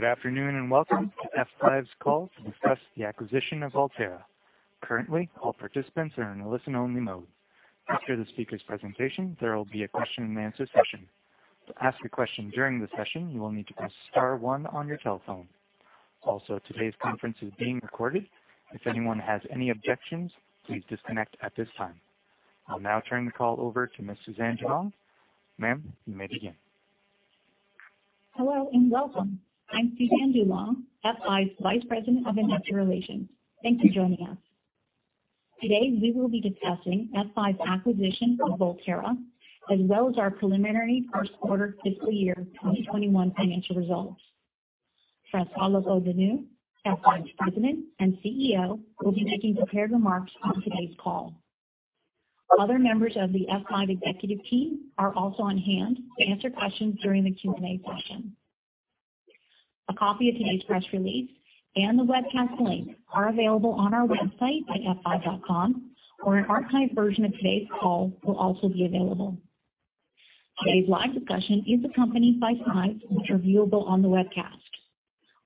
Good afternoon and welcome to F5's call to discuss the acquisition of Volterra. Currently, all participants are in a listen-only mode. After the speaker's presentation, there will be a question-and-answer session. To ask a question during the session, you will need to press star one on your telephone. Also, today's conference is being recorded. If anyone has any objections, please disconnect at this time. I'll now turn the call over to Ms. Suzanne DuLong. Ma'am, you may begin. Hello and welcome. I'm Suzanne DuLong, F5's Vice President of Investor Relations. Thanks for joining us. Today, we will be discussing F5's acquisition of Volterra, as well as our Preliminary Q1 Fiscal Year 2021 Financial Result. François Locoh-Donou, F5's President and CEO, will be making prepared remarks on today's call. Other members of the F5 executive team are also on hand to answer questions during the Q&A session. A copy of today's press release and the webcast link are available on our website at f5.com, or an archived version of today's call will also be available. Today's live discussion is accompanied by slides which are viewable on the webcast.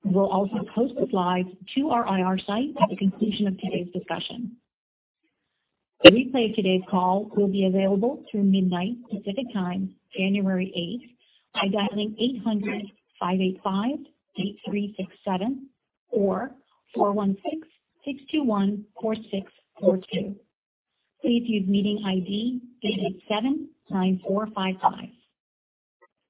We'll also post the slides to our IR site at the conclusion of today's discussion. The replay of today's call will be available through midnight Pacific time, January 8, by dialing 800-585-8367 or 416-621-4642. Please use meeting ID 887-9455.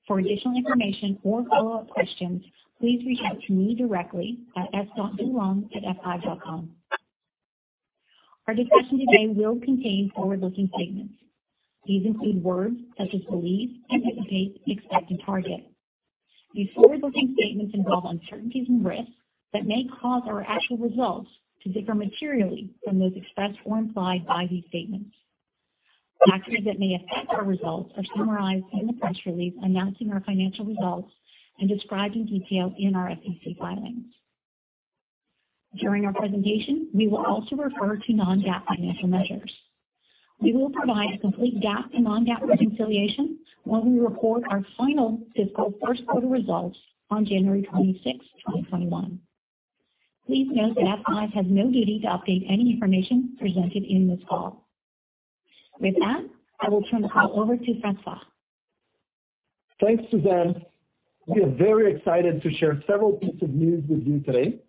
For additional information or follow-up questions, please reach out to me directly at s.dulong@f5.com. Our discussion today will contain forward-looking statements. These include words such as believe, anticipate, expect, and target. These forward-looking statements involve uncertainties and risks that may cause our actual results to differ materially from those expressed or implied by these statements. Factors that may affect our results are summarized in the press release announcing our financial results and described in detail in our SEC filings. During our presentation, we will also refer to non-GAAP financial measures. We will provide a complete GAAP and non-GAAP reconciliation when we report our final fiscal Q1 results on January 26, 2021. Please note that F5 has no duty to update any information presented in this call. With that, I will turn the call over to François. Thanks, Suzanne. We are very excited to share several pieces of news with you today,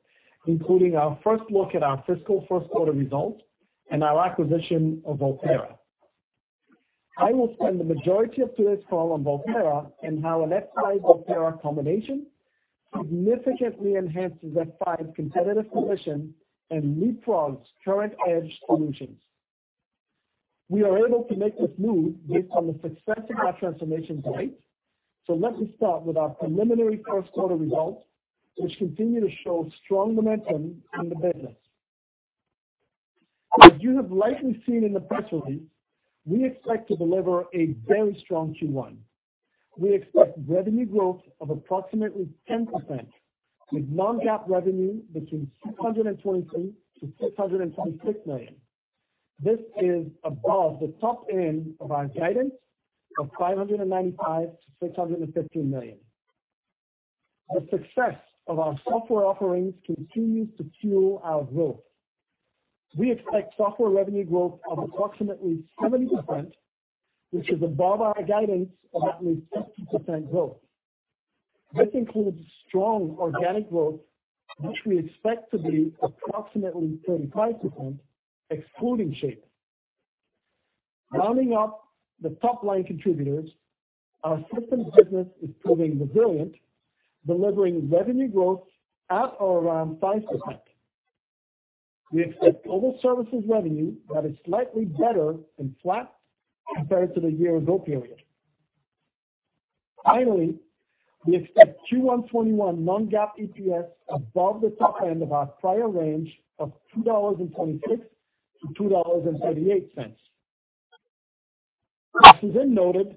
including our first look at our fiscal Q1 results and our acquisition of Volterra. I will spend the majority of today's call on Volterra and how an F5-Volterra combination significantly enhances F5's competitive position and leapfrogs current Edge solutions. We are able to make this move based on the success of our transformation to date, so let me start with our preliminary Q1 results, which continue to show strong momentum in the business. As you have likely seen in the press release, we expect to deliver a very strong Q1. We expect revenue growth of approximately 10%, with non-GAAP revenue between $623 million to $626 million. This is above the top end of our guidance of $595 million to $615 million. The success of our software offerings continues to fuel our growth. We expect software revenue growth of approximately 70%, which is above our guidance of at least 50% growth. This includes strong organic growth, which we expect to be approximately 35%, excluding Shape. Rounding up the top-line contributors, our systems business is proving resilient, delivering revenue growth at or around 5%. We expect global services revenue that is slightly better than flat compared to the year-ago period. Finally, we expect Q1 2021 non-GAAP EPS above the top end of our prior range of $2.26 to $2.38. As Suzanne noted,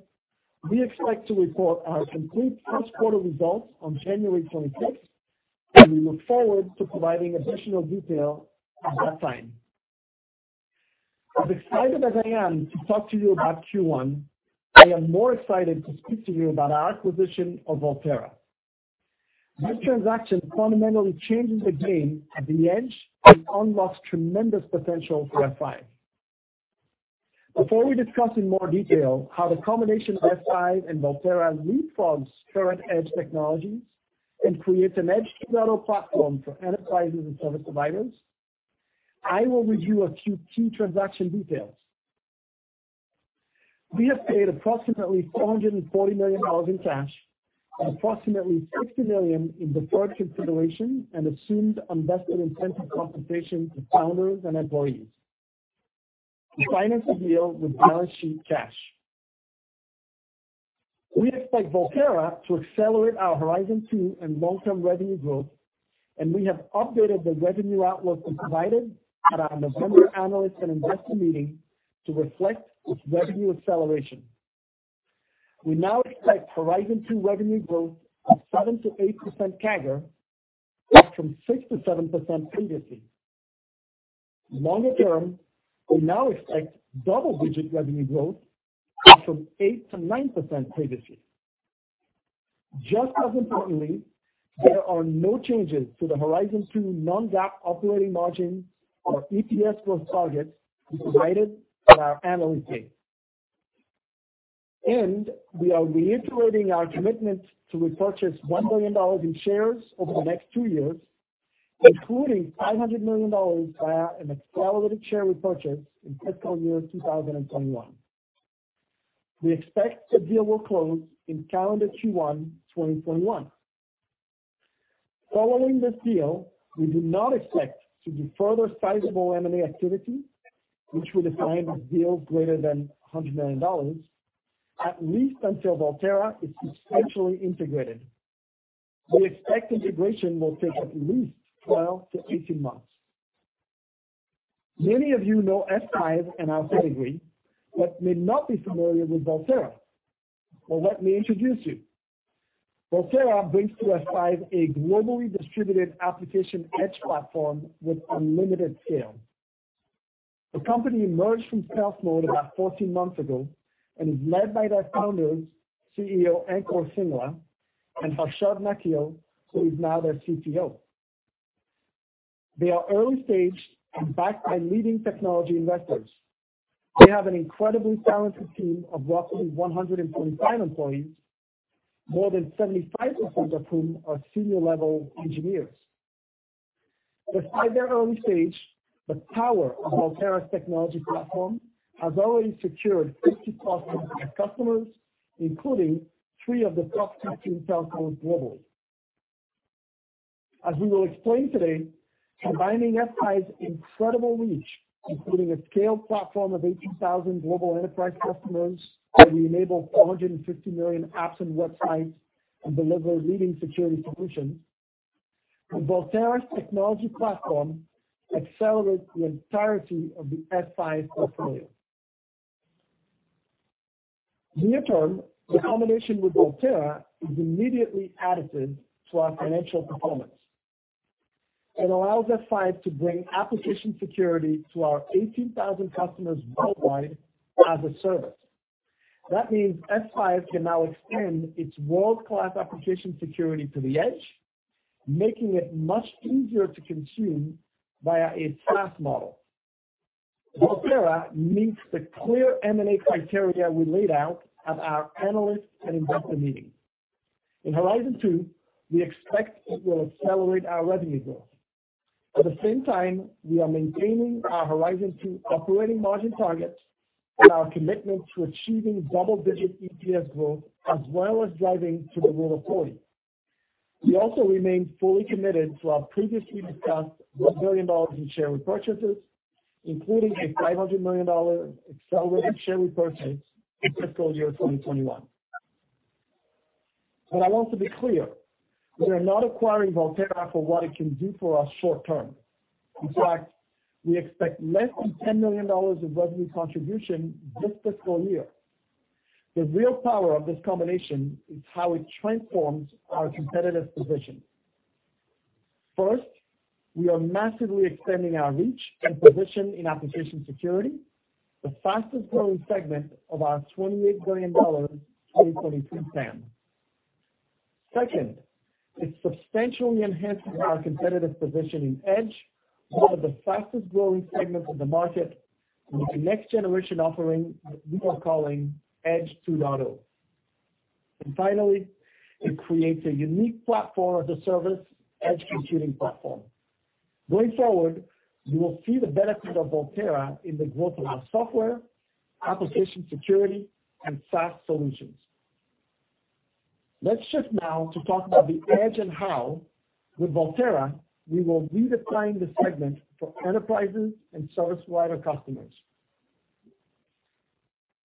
we expect to report our complete Q1 results on January 26, and we look forward to providing additional detail at that time. As excited as I am to talk to you about Q1, I am more excited to speak to you about our acquisition of Volterra. This transaction fundamentally changes the game at the Edge and unlocks tremendous potential for F5. Before we discuss in more detail how the combination of F5 and Volterra leapfrogs current-Edge technologies and creates an Edge 2.0 platform for enterprises and service providers, I will review a few key transaction details. We have paid approximately $440 million in cash and approximately $60 million in deferred consideration and assumed unvested instantiate compensation to founders and employees. We financed the deal with balance sheet cash. We expect Volterra to accelerate our Horizon 2 and long-term revenue growth, and we have updated the revenue outlook we provided at our November Analyst and Investor Meeting to reflect this revenue acceleration. We now expect Horizon 2 revenue growth of 7-8% CAGR, up from 6-7% previously. Longer term, we now expect double-digit revenue growth, up from 8%-9% previously. Just as importantly, there are no changes to the Horizon 2 non-GAAP operating margin or EPS growth targets we provided at our Analyst Day. And we are reiterating our commitment to repurchase $1 billion in shares over the next two years, including $500 million via an accelerated share repurchase in fiscal year 2021. We expect the deal will close in calendar Q1 2021. Following this deal, we do not expect to do further sizable M&A activity, which would assign us deals greater than $100 million, at least until Volterra is substantially integrated. We expect integration will take at least 12 to 18 months. Many of you know F5 and our pedigree, but may not be familiar with Volterra. Well, let me introduce you. Volterra brings to F5 a globally distributed application Edge platform with unlimited scale. The company emerged from sales mode about 14 months ago and is led by their founders, CEO Ankur Singla, and Harshad Nakil, who is now their CTO. They are early-staged and backed by leading technology investors. They have an incredibly talented team of roughly 125 employees, more than 75% of whom are senior-level engineers. Despite their early stage, the power of Volterra's technology platform has already secured 50 plus complex customers, including three of the top 15 telcos globally. As we will explain today, combining F5's incredible reach, including a scaled platform of 18,000 global enterprise customers that enables 450 million apps and websites and delivers leading security solutions, the Volterra technology platform accelerates the entirety of the F5 portfolio. Near term, the combination with Volterra is immediately additive to our financial performance. It allows F5 to bring application security to our 18,000 customers worldwide as a service. That means F5 can now extend its world-class application security to the Edge, making it much easier to consume via a SaaS model. Volterra meets the clear M&A criteria we laid out at our Analyst and Investor Meeting. In Horizon 2, we expect it will accelerate our revenue growth. At the same time, we are maintaining our Horizon 2 operating margin targets and our commitment to achieving double-digit EPS growth, as well as driving to the Rule of 40. We also remain fully committed to our previously discussed $1 billion in share repurchases, including a $500 million accelerated share repurchase in fiscal year 2021. But I want to be clear: we are not acquiring Volterra for what it can do for us short-term. In fact, we expect less than $10 million in revenue contribution this fiscal year. The real power of this combination is how it transforms our competitive position. First, we are massively extending our reach and position in application security, the fastest-growing segment of our $28 billion 2023 plan. Second, it substantially enhances our competitive position in Edge via the fastest-growing segment of the market with the next-generation offering that we are calling Edge 2.0, and finally, it creates a unique platform as a service Edge computing platform. Going forward, you will see the benefit of Volterra in the growth of our software, application security, and SaaS solutions. Let's shift now to talk about the Edge and how, with Volterra, we will redefine the segment for enterprises and service provider customers.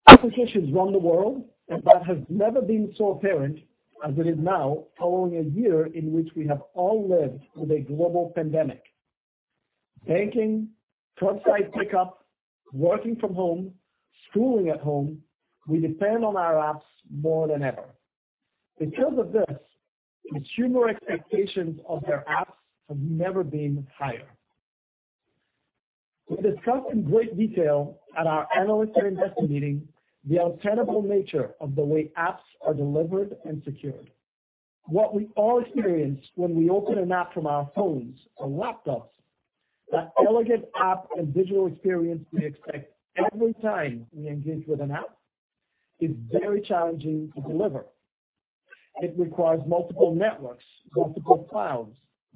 Applications run the world, and that has never been so apparent as it is now, following a year in which we have all lived with a global pandemic. Banking, curbside pickup, working from home, schooling at home, we depend on our apps more than ever. Because of this, consumer expectations of their apps have never been higher. We discussed in great detail at our Analyst and Investor Meeting the untenable nature of the way apps are delivered and secured. What we all experience when we open an app from our phones or laptops, that elegant app and digital experience we expect every time we engage with an app, is very challenging to deliver. It requires multiple networks, multiple clouds,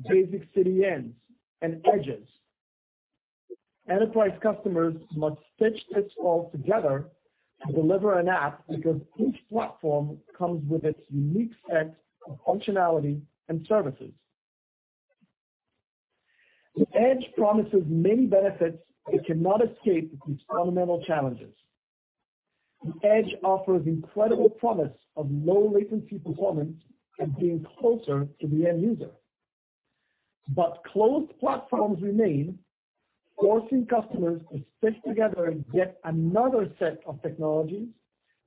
basic CDNs, and Edges. Enterprise customers must stitch this all together to deliver an app because each platform comes with its unique set of functionality and services. The Edge promises many benefits that cannot escape these fundamental challenges. The Edge offers incredible promise of low-latency performance and being closer to the end user. But closed platforms remain, forcing customers to stitch together yet another set of technologies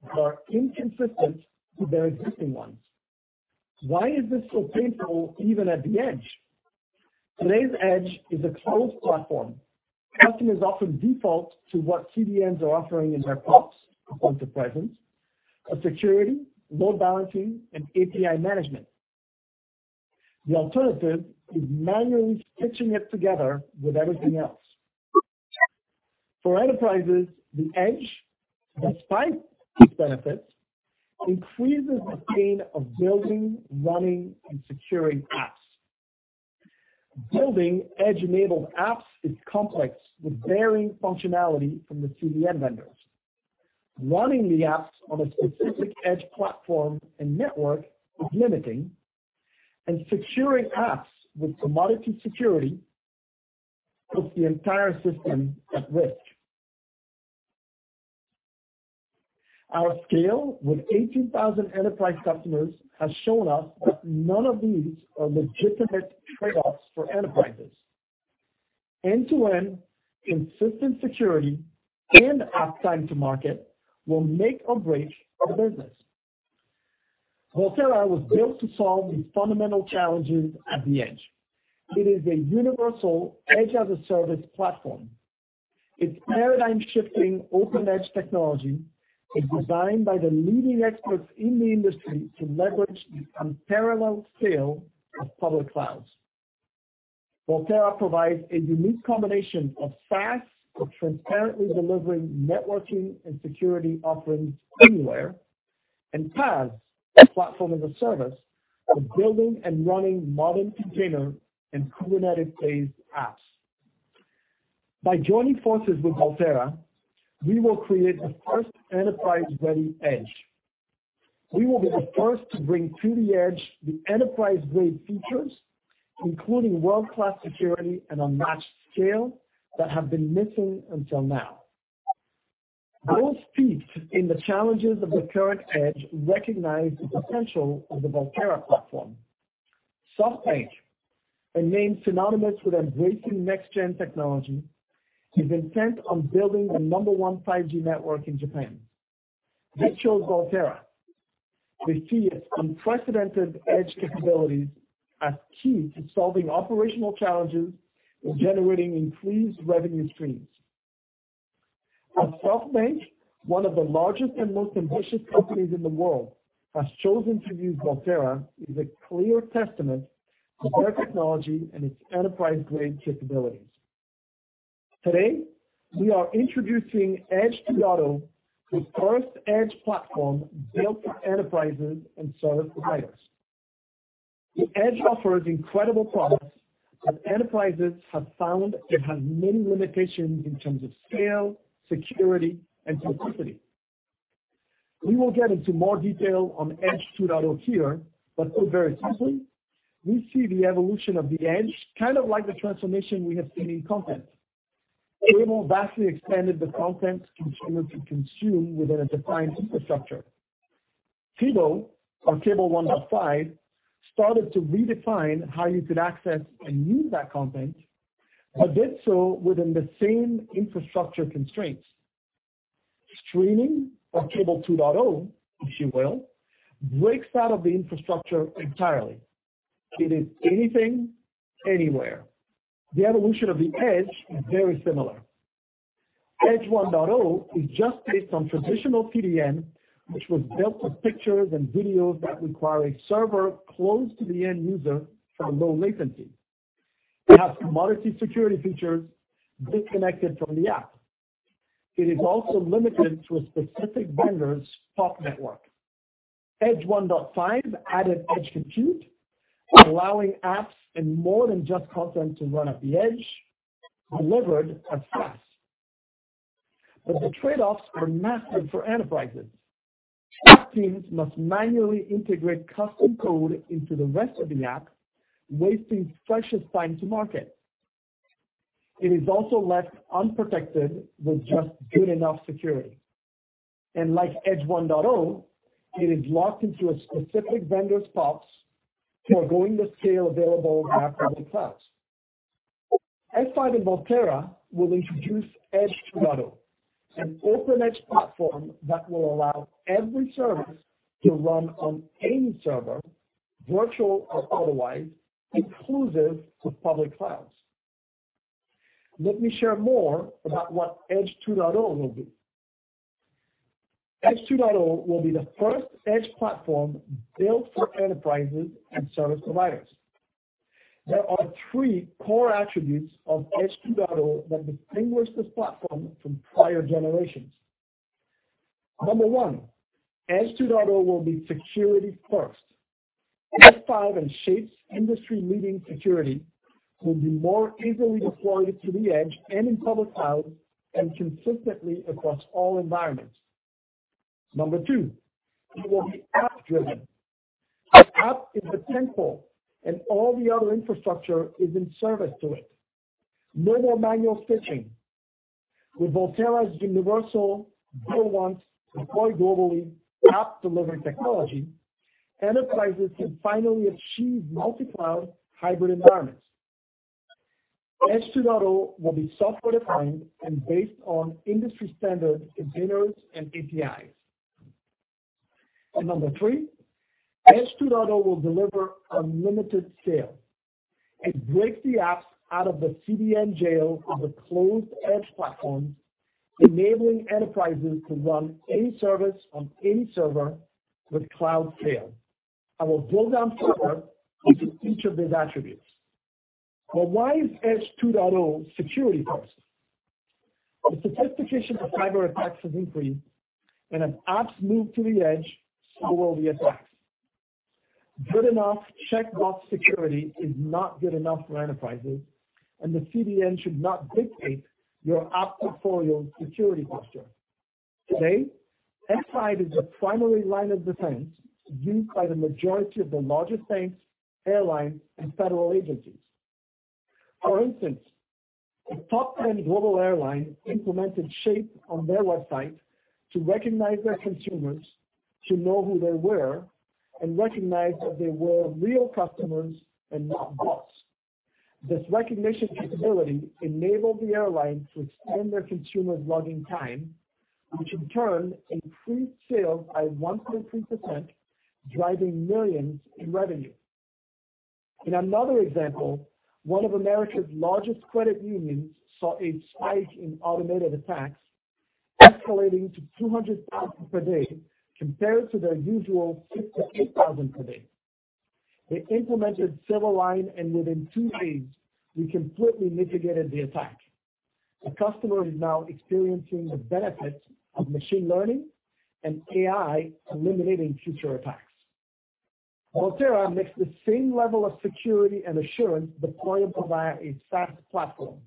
that are inconsistent with their existing ones. Why is this so painful even at the Edge? Today's Edge is a closed platform. Customers often default to what CDNs are offering in their PoPs, the point of presence, for security, load balancing, and API management. The alternative is manually stitching it together with everything else. For enterprises, the Edge, despite these benefits, increases the pain of building, running, and securing apps. Building Edge-enabled apps is complex, with varying functionality from the CDN vendors. Running the apps on a specific Edge platform and network is limiting, and securing apps with commodity security puts the entire system at risk. Our scale with 18,000 enterprise customers has shown us that none of these are legitimate trade-offs for enterprises. End-to-end, consistent security, and uptime to market will make or break the business. Volterra was built to solve these fundamental challenges at the Edge. It is a universal Edge-as-a-service platform. Its paradigm-shifting open-Edge technology is designed by the leading experts in the industry to leverage the unparalleled scale of public clouds. Volterra provides a unique combination of SaaS for transparently delivering networking and security offerings anywhere, and PaaS, the platform-as-a-service, for building and running modern container and Kubernetes-based apps. By joining forces with Volterra, we will create the first enterprise-ready Edge. We will be the first to bring to the Edge the enterprise-grade features, including world-class security and unmatched scale that have been missing until now. Those steeped in the challenges of the current Edge recognize the potential of the Volterra platform. SoftBank, a name synonymous with embracing next-gen technology, is intent on building the number one 5G network in Japan. They chose Volterra. They see its unprecedented Edge capabilities as key to solving operational challenges and generating increased revenue streams. As SoftBank, one of the largest and most ambitious companies in the world, has chosen to use Volterra, it is a clear testament to their technology and its enterprise-grade capabilities. Today, we are introducing Edge 2.0, the first Edge platform built for enterprises and service providers. The Edge offers incredible promise that enterprises have found. It has many limitations in terms of scale, security, and simplicity. We will get into more detail on Edge 2.0 here, but to be very simple, we see the evolution of the Edge kind of like the transformation we have seen in content. We have all vastly expanded the content consumers would consume within a defined infrastructure. TiVo, or TiVo 1.5, started to redefine how you could access and use that content, but did so within the same infrastructure constraints. Streaming, or Cable 2.0, if you will, breaks out of the infrastructure entirely. It is anything, anywhere. The evolution of the Edge is very similar. Edge 1.0 is just based on traditional CDN, which was built with pictures and videos that require a server close to the end user for low latency. It has commodity security features disconnected from the app. It is also limited to a specific vendor's PoP network. Edge 1.5 added Edge compute, allowing apps and more than just content to run at the Edge, delivered as SaaS, but the trade-offs are massive for enterprises. Staff teams must manually integrate custom code into the rest of the app, wasting precious time to market. It is also left unprotected with just good enough security, and like Edge 1.0, it is locked into a specific vendor's PoPs, forgoing the scale available in the app public clouds. F5 and Volterra will introduce Edge 2.0, an open-Edge platform that will allow every service to run on any server, virtual or otherwise, inclusive of public clouds. Let me share more about what Edge 2.0 will be. Edge 2.0 will be the first Edge platform built for enterprises and service providers. There are three core attributes of Edge 2.0 that distinguish this platform from prior generations. Number one, Edge 2.0 will be security-first. F5 and Shape's industry-leading security will be more easily deployed to the Edge and in public clouds and consistently across all environments. Number two, it will be app-driven. The app is the tentpole and all the other infrastructure is in service to it. No more manual stitching. With Volterra's universal "build once, deploy globally, app-delivered" technology, enterprises can finally achieve multi-cloud hybrid environments. Edge 2.0 will be software-defined and based on industry-standard containers and APIs. And number three, Edge 2.0 will deliver unlimited scale. It breaks the apps out of the CDN jail of the closed Edge platforms, enabling enterprises to run any service on any server with cloud scale. I will drill down further into each of these attributes. But why is Edge 2.0 security-first? The sophistication of cyberattacks has increased, and as apps move to the Edge, so will the attacks. Good enough checkbox security is not good enough for enterprises, and the CDN should not dictate your app portfolio's security posture. Today, F5 is the primary line of defense used by the majority of the largest banks, airlines, and federal agencies. For instance, a top-tier global airline implemented Shape on their website to recognize their consumers, to know who they were, and recognize that they were real customers and not bots. This recognition capability enabled the airline to extend their consumers' login time, which in turn increased sales by 1.3%, driving millions in revenue. In another example, one of America's largest credit unions saw a spike in automated attacks, escalating to 200,000 per day compared to their usual 62,000 per day. They implemented Silverline, and within two days, we completely mitigated the attack. The customer is now experiencing the benefits of machine learning and AI eliminating future attacks. Volterra makes the same level of security and assurance deployable via a SaaS platform.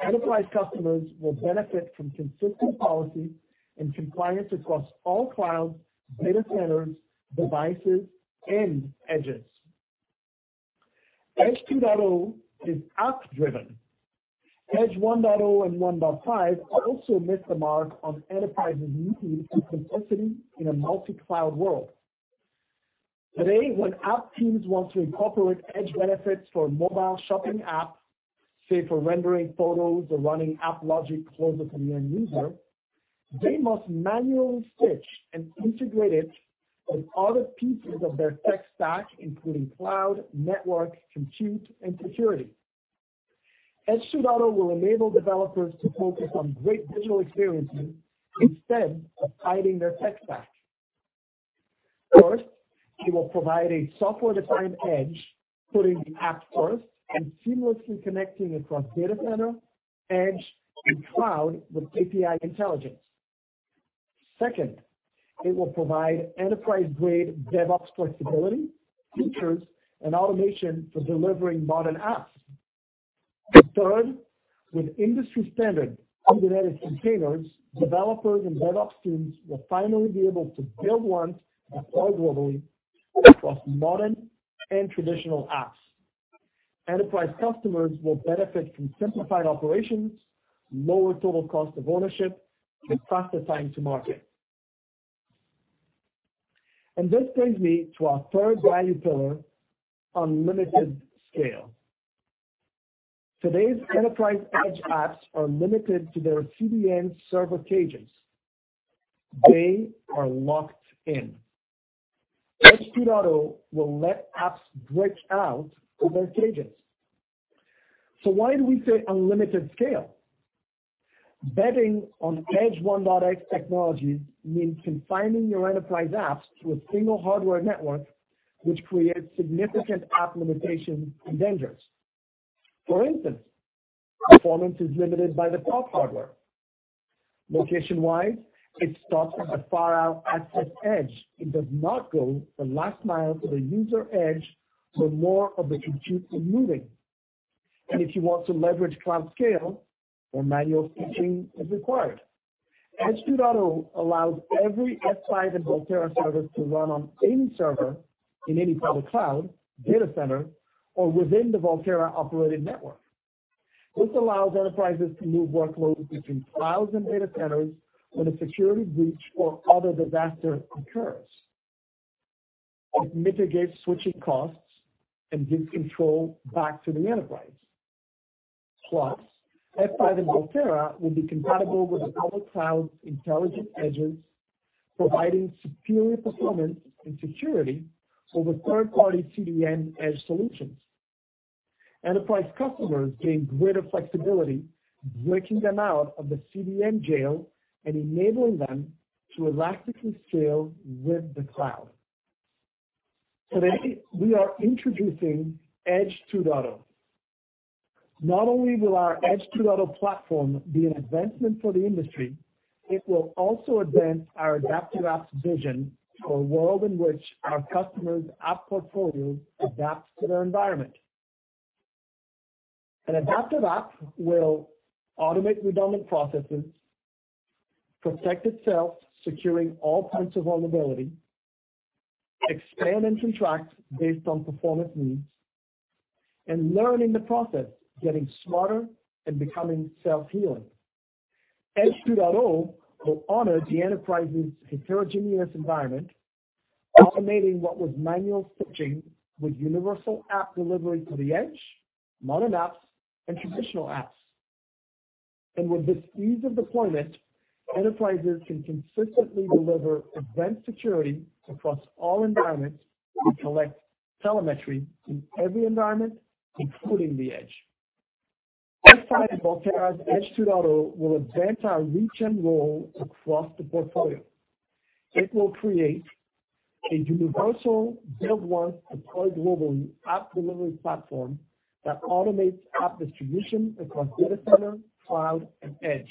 Enterprise customers will benefit from consistent policies and compliance across all clouds, data centers, devices, and Edges. Edge 2.0 is app-driven. Edge 1.0 and 1.5 also missed the mark on enterprises' need for simplicity in a multi-cloud world. Today, when app teams want to incorporate Edge benefits for mobile shopping apps, say for rendering photos or running app logic closer to the end user, they must manually stitch and integrate it with other pieces of their tech stack, including cloud, network, compute, and security. Edge 2.0 will enable developers to focus on great digital experiences instead of hiding their tech stack. First, it will provide a software-defined Edge, putting the app first and seamlessly connecting across data center, Edge, and cloud with API intelligence. Second, it will provide enterprise-grade DevOps flexibility, features, and automation for delivering modern apps. Third, with industry-standard Kubernetes containers, developers and DevOps teams will finally be able to build once, deploy globally, across modern and traditional apps. Enterprise customers will benefit from simplified operations, lower total cost of ownership, and faster time to market. And this brings me to our third value pillar, unlimited scale. Today's enterprise Edge apps are limited to their CDN server cages. They are locked in. Edge 2.0 will let apps break out of their cages. So why do we say unlimited scale? Betting on Edge 1.x technology means confining your enterprise apps to a single hardware network, which creates significant app limitations and dangers. For instance, performance is limited by the PoP hardware. Location-wise, it stops at the far-out access Edge. It does not go the last mile to the user Edge where more of the compute is moving. And if you want to leverage cloud scale, where manual stitching is required, Edge 2.0 allows every F5 and Volterra service to run on any server in any public cloud, data center, or within the Volterra-operated network. This allows enterprises to move workloads between clouds and data centers when a security breach or other disaster occurs. It mitigates switching costs and gives control back to the enterprise. Plus, F5 and Volterra will be compatible with the public cloud's intelligent Edges, providing superior performance and security over third-party CDN Edge solutions. Enterprise customers gain greater flexibility, breaking them out of the CDN jail and enabling them to elastically scale with the cloud. Today, we are introducing Edge 2.0. Not only will our Edge 2.0 platform be an advancement for the industry, it will also advance our adaptive apps vision for a world in which our customers' app portfolios adapt to their environment. An adaptive app will automate redundant processes, protect itself, securing all points of vulnerability, expand and contract based on performance needs, and learn in the process, getting smarter and becoming self-healing. Edge 2.0 will honor the enterprise's heterogeneous environment, automating what was manual stitching with universal app delivery to the Edge, modern apps, and traditional apps, and with this ease of deployment, enterprises can consistently deliver advanced security across all environments and collect telemetry in every environment, including the Edge. F5 and Volterra's Edge 2.0 will advance our reach and role across the portfolio. It will create a universal "build once, deploy globally" app delivery platform that automates app distribution across data center, cloud, and Edge.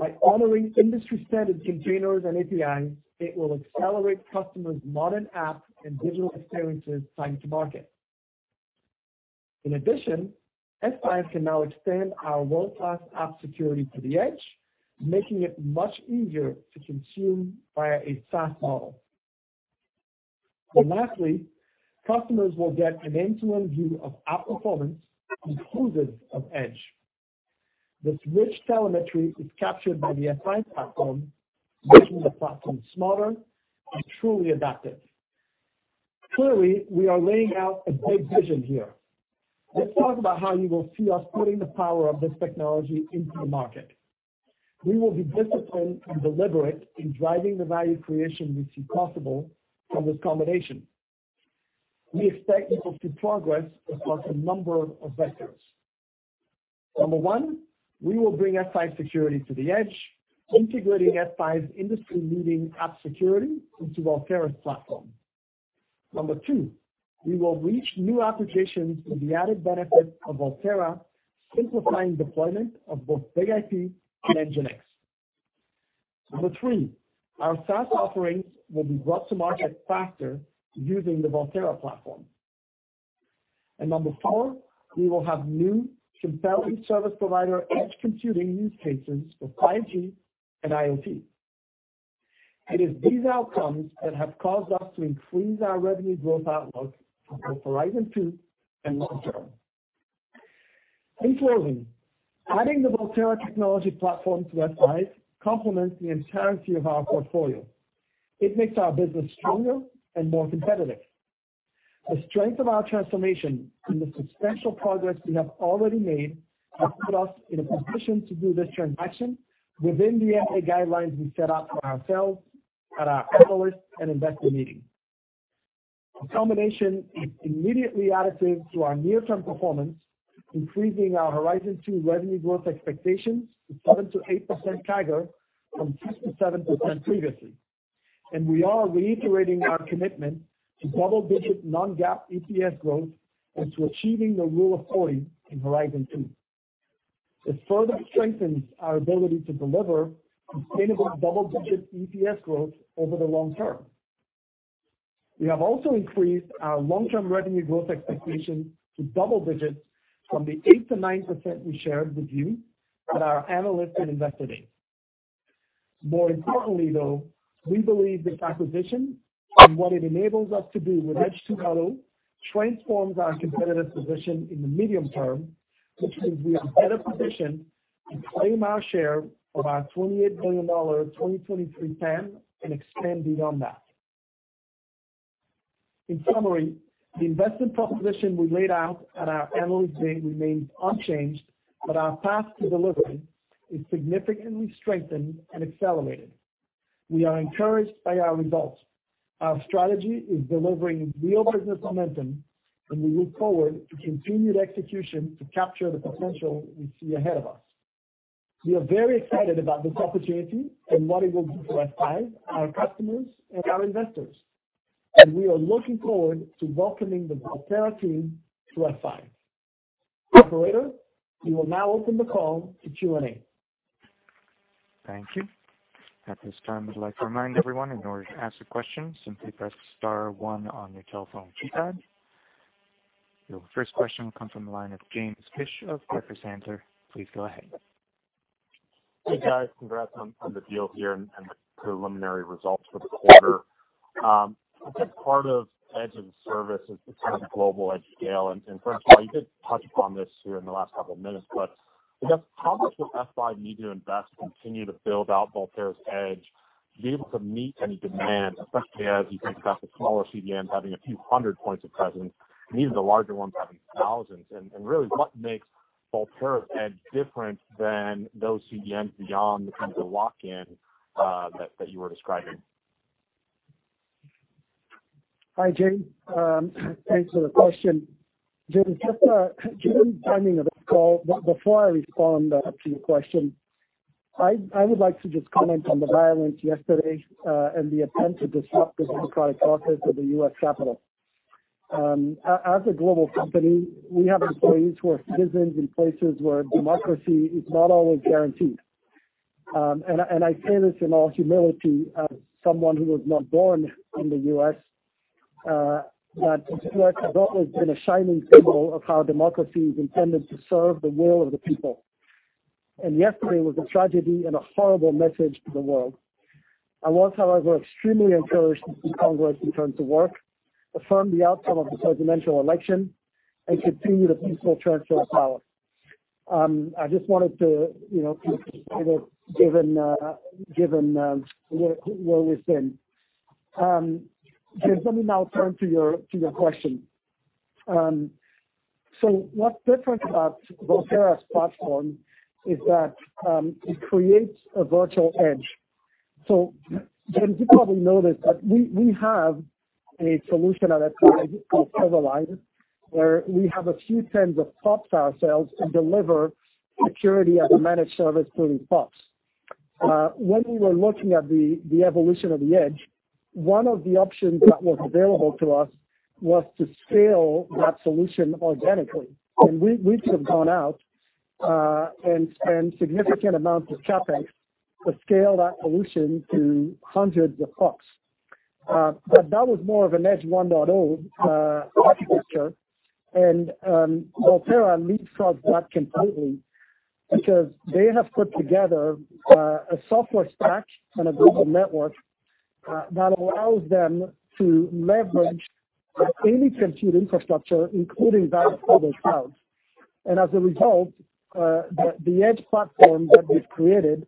By honoring industry-standard containers and APIs, it will accelerate customers' modern app and digital experiences' time to market. In addition, F5 can now extend our world-class app security to the Edge, making it much easier to consume via a SaaS model, and lastly, customers will get an end-to-end view of app performance inclusive of Edge. This rich telemetry is captured by the F5 platform, making the platform smarter and truly adaptive. Clearly, we are laying out a big vision here. Let's talk about how you will see us putting the power of this technology into the market. We will be disciplined and deliberate in driving the value creation we see possible from this combination. We expect you will see progress across a number of vectors. Number one, we will bring F5 security to the Edge, integrating F5's industry-leading app security into Volterra's platform. Number two, we will reach new applications with the added benefit of Volterra simplifying deployment of both BIG-IP and NGINX. Number three, our SaaS offerings will be brought to market faster using the Volterra platform. And number four, we will have new compelling service provider Edge computing use cases for 5G and IoT. It is these outcomes that have caused us to increase our revenue growth outlook for both Horizon 2 and long-term. In closing, adding the Volterra technology platform to F5 complements the entirety of our portfolio. It makes our business stronger and more competitive. The strength of our transformation and the substantial progress we have already made has put us in a position to do this transaction within the M&A guidelines we set out for ourselves at our Analyst and Investor Meeting. The combination is immediately additive to our near-term performance, increasing our Horizon 2 revenue growth expectations to 7%-8% CAGR from 6%-7% previously. And we are reiterating our commitment to double-digit non-GAAP EPS growth and to achieving the Rule of 40 in Horizon 2. This further strengthens our ability to deliver sustainable double-digit EPS growth over the long term. We have also increased our long-term revenue growth expectation to double-digits from the 8%-9% we shared with you at our Analyst and Investor Day. More importantly, though, we believe this acquisition and what it enables us to do with Edge 2.0 transforms our competitive position in the medium term, which means we are better positioned to claim our share of our $28 billion 2023 TAM and expand beyond that. In summary, the investment proposition we laid out at our Analyst Day remains unchanged, but our path to delivery is significantly strengthened and accelerated. We are encouraged by our results. Our strategy is delivering real business momentum, and we look forward to continued execution to capture the potential we see ahead of us. We are very excited about this opportunity and what it will do for F5, our customers, and our investors. And we are looking forward to welcoming the Volterra team to F5. Operator, we will now open the call to Q&A. Thank you. At this time, I'd like to remind everyone in order to ask a question, simply press star one on your telephone keypad. Your first question will come from the line of James Fish of Piper Sandler. Please go ahead. Hey, guys. Congrats on the deal here and the preliminary results for the quarter. I think part of Edge as a service is kind of global at scale. And first of all, you did touch upon this here in the last couple of minutes, but I guess how much would F5 need to invest to continue to build out Volterra's Edge to be able to meet any demand, especially as you think about the smaller CDNs having a few hundred points of presence, and even the larger ones having thousands? And really, what makes Volterra's Edge different than those CDNs beyond the lock-in that you were describing? Hi, James. Thanks for the question. James, just a few timing of this call, but before I respond to your question, I would like to just comment on the violence yesterday and the attempt to disrupt the democratic process at the U.S. Capitol. As a global company, we have employees who are citizens in places where democracy is not always guaranteed. I say this in all humility as someone who was not born in the U.S., but that's always been a shining symbol of how democracy is intended to serve the will of the people. Yesterday was a tragedy and a horrible message to the world. I was, however, extremely encouraged to see Congress return to work, affirm the outcome of the presidential election, and continue the peaceful transfer of power. I just wanted to, given where we've been. James, let me now turn to your question. What's different about Volterra's platform is that it creates a virtual Edge. James, you probably noticed that we have a solution at F5 called Silverline, where we have a few tens of PoPs ourselves to deliver security as a managed service through these PoPs. When we were looking at the evolution of the Edge, one of the options that was available to us was to scale that solution organically, and we could have gone out and spent significant amounts of CapEx to scale that solution to hundreds of PoPs, but that was more of an Edge 1.0 architecture, and Volterra leapfrogs that completely because they have put together a software stack and a global network that allows them to leverage any compute infrastructure, including that of Google Cloud, and as a result, the Edge platform that we've created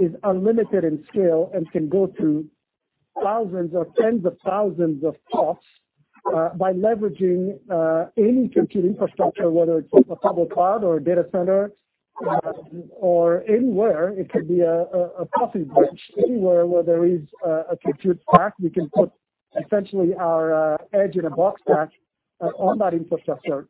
is unlimited in scale and can go through thousands or tens of thousands of PoPs by leveraging any compute infrastructure, whether it's a public cloud or a data center or anywhere. It could be a coffee branch. Anywhere where there is a compute stack, we can put essentially our Edge in a box stack on that infrastructure.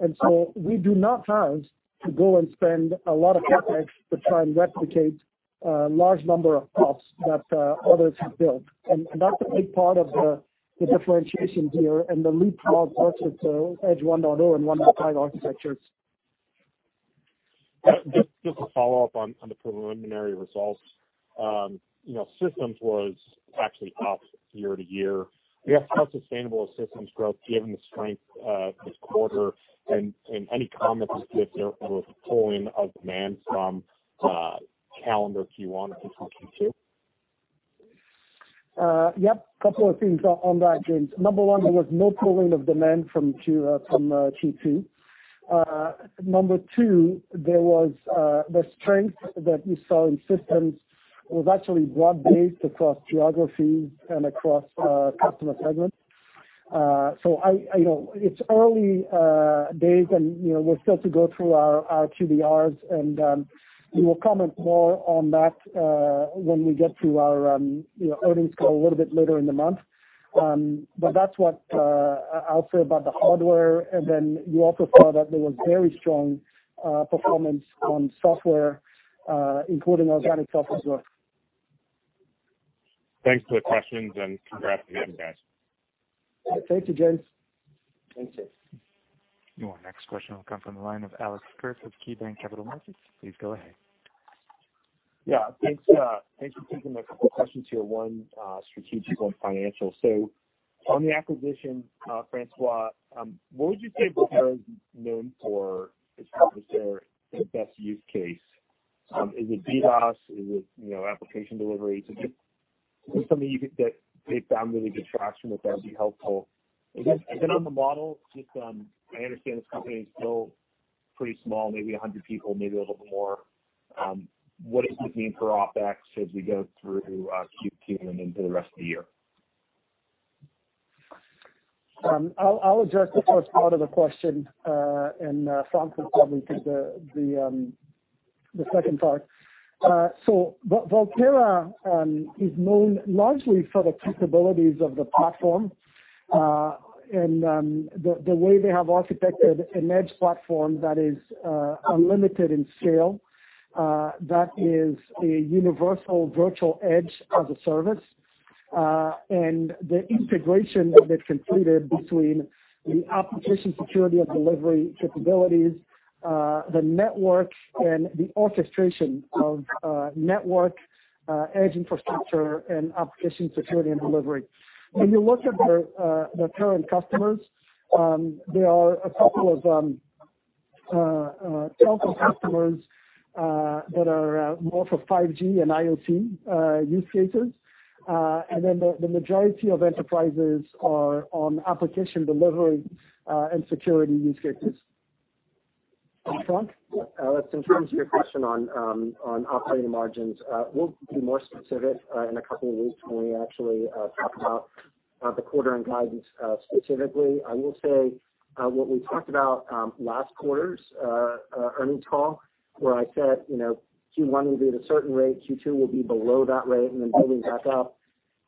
And so we do not have to go and spend a lot of CapEx to try and replicate a large number of PoPs that others have built. And that's a big part of the differentiation here and the leapfrog versus Edge 1.0 and 1.5 architectures. Just to follow up on the preliminary results, systems was actually up year to year. I guess how sustainable is systems growth given the strength this quarter and any comments you give there with pulling of demand from calendar Q1 and Q2? Yep. A couple of things on that, James. Number one, there was no pulling of demand from Q2. Number two, the strength that you saw in systems was actually broad-based across geographies and across customer segments. It's early days, and we're still to go through our QBRs. And we will comment more on that when we get through our earnings call a little bit later in the month. But that's what I'll say about the hardware. And then you also saw that there was very strong performance on software, including organic software growth. Thanks for the questions, and congratulations guys. Thank you, James. Thank you. Next question will come from the line of Alex Kurtz with KeyBanc Capital Markets. Please go ahead. Yeah. Thanks for taking the questions here. One, strategic and financial. So on the acquisition, François, what would you say Volterra is known for? Is there a best use case? Is it DDoS? Is it application delivery? Is there something that they found really good traction with that would be helpful? And then on the model, just I understand this company is still pretty small, maybe 100 people, maybe a little bit more. What does it mean for OpEx as we go through Q2 and into the rest of the year? I'll address the first part of the question, and Frank probably can take the second part so Volterra is known largely for the capabilities of the platform and the way they have architected an Edge platform that is unlimited in scale, that is a universal virtual Edge as a service, and the integration that they've completed between the application security and delivery capabilities, the network, and the orchestration of network, Edge infrastructure, and application security and delivery. When you look at their current customers, there are a couple of telco customers that are more for 5G and IoT use cases. And then the majority of enterprises are on application delivery and security use cases. And Frank? That's in terms of your question on operating margins. We'll be more specific in a couple of weeks when we actually talk about the quarter and guidance specifically. I will say what we talked about last quarter's earnings call, where I said Q1 will be at a certain rate, Q2 will be below that rate, and then building back up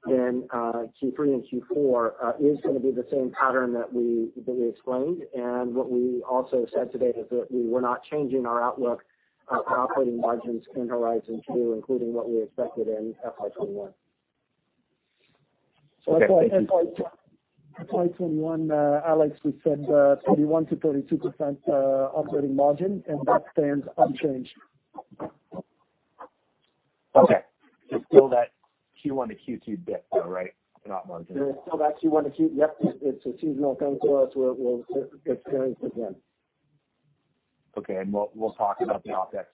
in Q3 and Q4 is going to be the same pattern that we explained. And what we also said today is that we were not changing our outlook for operating margins in Horizon 2, including what we expected in FY21. So FY21, Alex, we said 31%-32% operating margin, and that stands unchanged. Okay. It's still that Q1 to Q2 dip, though, right? Not margin. It's still that Q1 to Q2. Yep. It's a seasonal thing for us. We'll experience it again. Okay. And we'll talk about the OpEx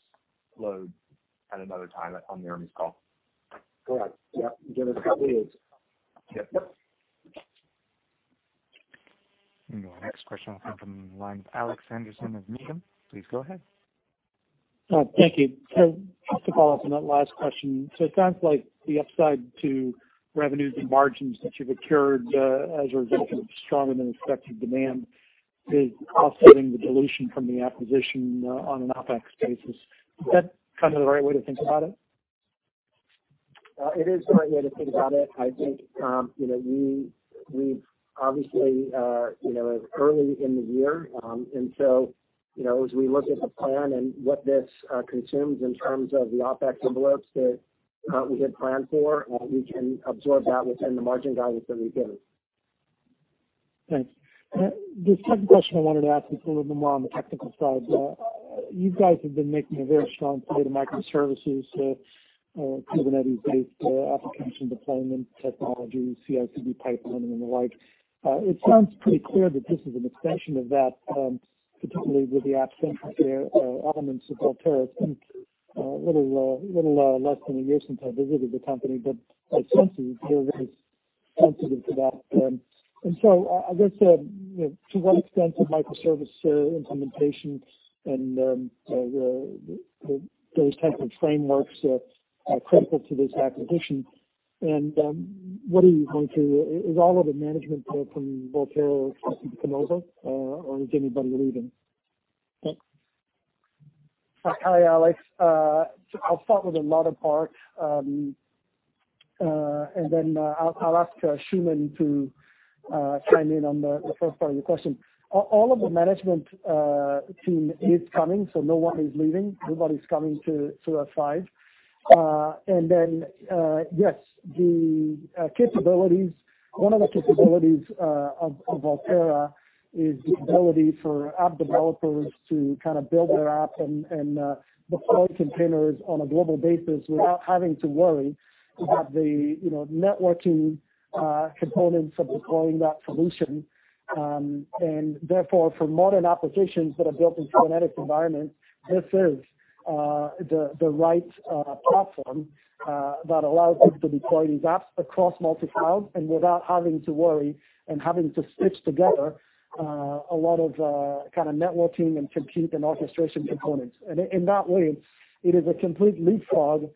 load at another time on the earnings call. Correct. Yep. Give us a couple of weeks. Yep. Next question will come from the line of Alex Henderson of Needham. Please go ahead. Thank you. So just to follow up on that last question, so it sounds like the upside to revenues and margins that you've procured as a result of stronger than expected demand is offsetting the dilution from the acquisition on an OpEx basis. Is that kind of the right way to think about it? It is the right way to think about it. I think we've obviously early in the year. And so as we look at the plan and what this consumes in terms of the OpEx envelopes that we had planned for, we can absorb that within the margin guidance that we've given. Thanks. The second question I wanted to ask is a little bit more on the technical side. You guys have been making a very strong commitment to microservices, Kubernetes-based application deployment technology, CI/CD pipeline, and the like. It sounds pretty clear that this is an extension of that, particularly with the app-centric elements of Volterra. It's been a little less than a year since I visited the company, but it's sensitive. You're very sensitive to that. And so I guess to what extent is microservice implementation and those types of frameworks critical to this acquisition? And what are you going through? Is all of the management from Volterra expected to come over, or is anybody leaving? Thanks. Hi, Alex. I'll start with a lot of parts, and then I'll ask Shuman to chime in on the first part of your question. All of the management team is coming, so no one is leaving. Nobody's coming to F5, and then, yes, the capabilities. One of the capabilities of Volterra is the ability for app developers to kind of build their app and deploy containers on a global basis without having to worry about the networking components of deploying that solution, and therefore, for modern applications that are built in Kubernetes environments, this is the right platform that allows them to deploy these apps across multi-clouds and without having to worry and having to stitch together a lot of kind of networking and compute and orchestration components. And in that way, it is a complete leapfrog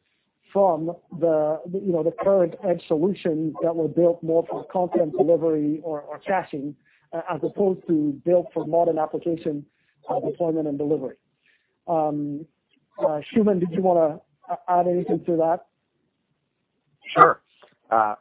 from the current Edge solutions that were built more for content delivery or caching as opposed to built for modern application deployment and delivery. Shuman, did you want to add anything to that? Sure. Hi,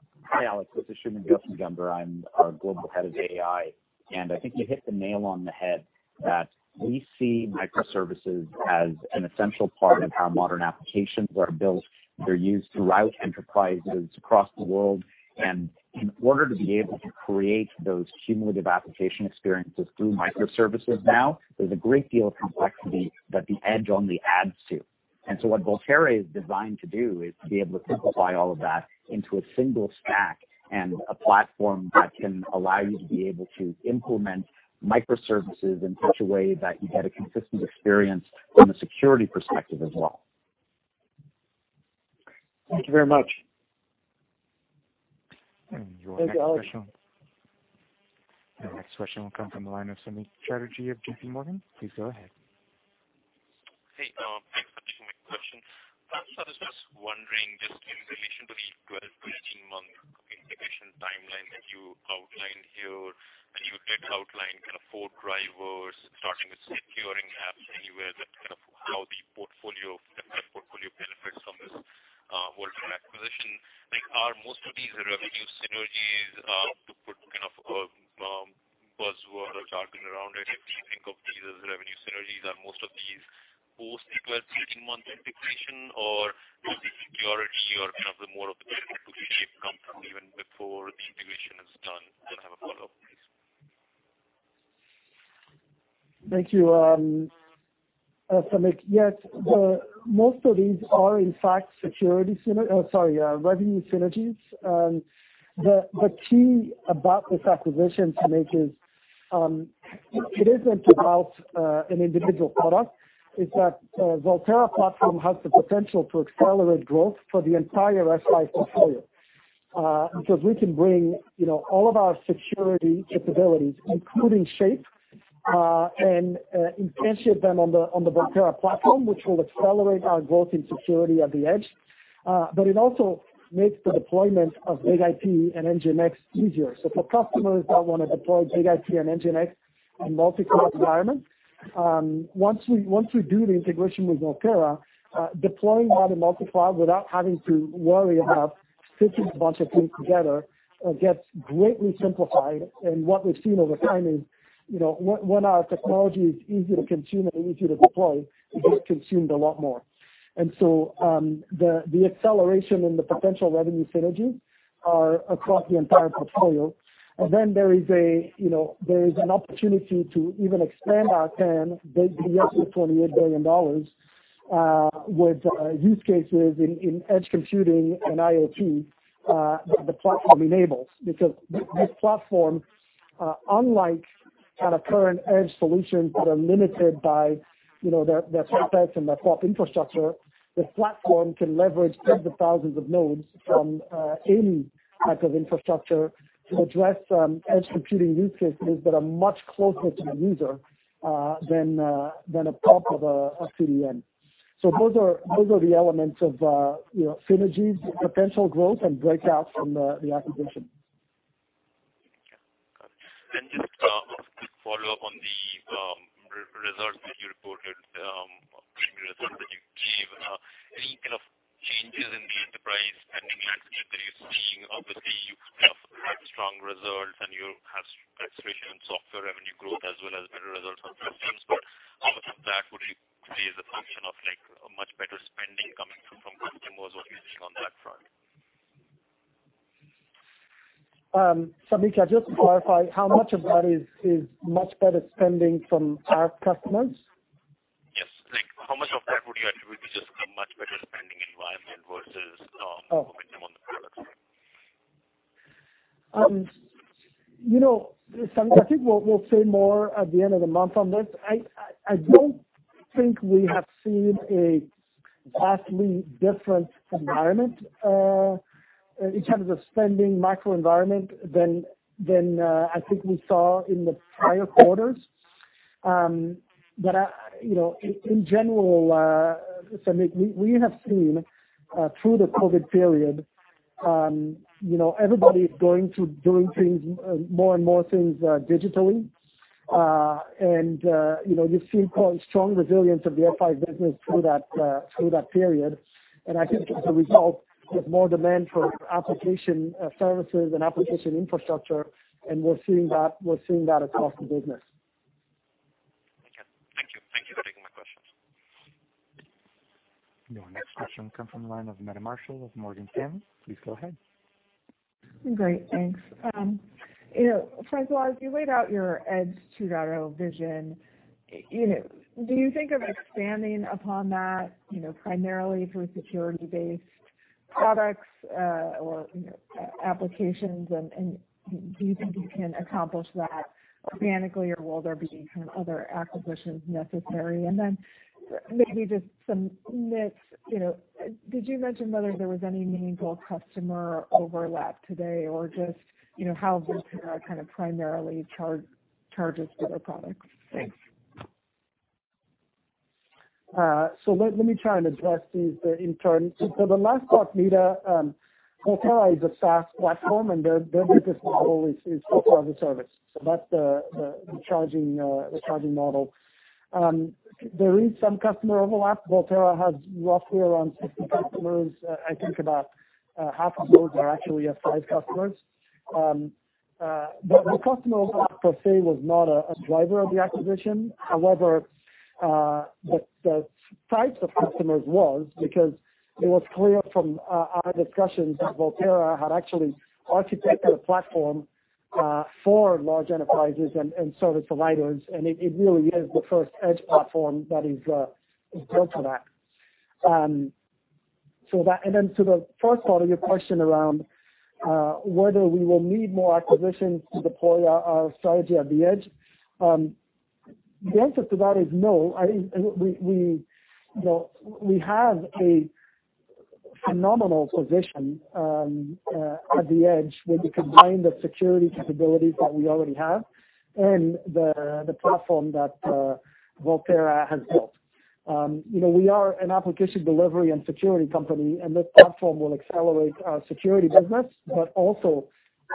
Alex. This is Shuman Ghosemajumder. I'm our global head of AI. And I think you hit the nail on the head that we see microservices as an essential part of how modern applications are built. They're used throughout enterprises across the world. And in order to be able to create those cumulative application experiences through microservices now, there's a great deal of complexity that the Edge only adds to. And so what Volterra is designed to do is to be able to simplify all of that into a single stack and a platform that can allow you to be able to implement microservices in such a way that you get a consistent experience from a security perspective as well. Thank you very much Thank you, Alex, and the next question will come from the line of Samik Chatterjee of J.P. Morgan. Please go ahead. Hey, Alex. Thanks for taking my question. I was just wondering just in relation to the 12-18-month integration timeline that you outlined here, and you did outline kind of four drivers starting with securing apps anywhere that kind of how the portfolio benefits from this Volterra acquisition. Are most of these revenue synergies to put kind of a buzzword or jargon around it? If you think of these as revenue synergies, are most of these post 12- to 18-month integration, or you're already or kind of the more of the to Shape come through even before the integration is done? I'm going to have a follow-up, please. Thank you. Yes, most of these are in fact security synergy, sorry, revenue synergies. The key about this acquisition, to me, is it isn't about an individual product. It's that Volterra platform has the potential to accelerate growth for the entire F5 portfolio because we can bring all of our security capabilities, including Shape, and incentive them on the Volterra platform, which will accelerate our growth in security at the Edge. But it also makes the deployment of BIG-IP and NGINX easier. So for customers that want to deploy BIG-IP and NGINX in multi-cloud environments, once we do the integration with Volterra, deploying that in multi-cloud without having to worry about stitching a bunch of things together gets greatly simplified. And what we've seen over time is when our technology is easier to consume and easier to deploy, it gets consumed a lot more. And so the acceleration and the potential revenue synergies are across the entire portfolio. And then there is an opportunity to even expand our TAM for $28 billion with use cases in Edge computing and IoT that the platform enables because this platform, unlike kind of current Edge solutions that are limited by their topologies and their PoP infrastructure, this platform can leverage tens of thousands of nodes from any type of infrastructure to address Edge computing use cases that are much closer to the user than a PoP of a CDN. So those are the elements of synergies, potential growth, and breakout from the acquisition. Got it. And just a quick follow-up on the results that you reported, the results that you gave. Any kind of changes in the enterprise spending landscape that you're seeing? Obviously, you have strong results and you have orchestration and software revenue growth as well as better results on systems. But how much of that would you say is a function of much better spending coming from customers or anything on that front? Samik, can I just clarify how much of that is much better spending from our customers? Yes. How much of that would you attribute to just the much better spending environment versus focusing on the products? I think we'll see more at the end of the month on this. I don't think we have seen a vastly different environment in terms of spending micro environment than I think we saw in the prior quarters. But in general, we have seen through the COVID period, everybody is going to be doing more and more things digitally. And you've seen strong resilience of the F5 business through that period. And I think as a result, there's more demand for application services and application infrastructure. And we're seeing that across the business. Okay. Thank you. Thank you for taking my questions. Your next question will come from the line of Meta Marshall of Morgan Stanley. Please go ahead. Great. Thanks. François, you laid out your Edge 2.0 vision. Do you think of expanding upon that primarily through security-based products or applications? And do you think you can accomplish that organically, or will there be kind of other acquisitions necessary? And then maybe just some metrics. Did you mention whether there was any meaningful customer overlap today or just how Volterra kind of primarily charges for their products? Thanks. So let me try and address these in turn. So the last part, Meta, Volterra is a SaaS platform, and their business model is full-time service. So that's the charging model. There is some customer overlap. Volterra has roughly around 60 customers. I think about half of those are actually F5 customers, but the customer overlap per se was not a driver of the acquisition. However, the types of customers was because it was clear from our discussions that Volterra had actually architected a platform for large enterprises and service providers, and it really is the first Edge platform that is built for that, and then to the first part of your question around whether we will need more acquisitions to deploy our strategy at the Edge, the answer to that is no. We have a phenomenal position at the Edge when you combine the security capabilities that we already have and the platform that Volterra has built. We are an application delivery and security company, and this platform will accelerate our security business, but also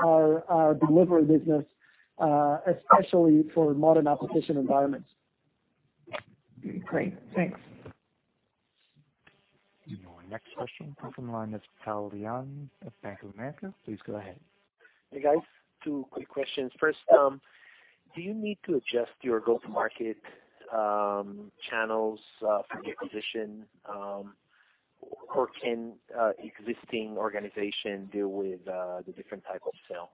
our delivery business, especially for modern application environments. Great. Thanks. Your next question will come from the line of Tal Liani of Bank of America. Please go ahead. Hey, guys. Two quick questions. First, do you need to adjust your go-to-market channels for the acquisition, or can existing organizations deal with the different types of sale?